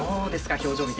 表情を見て。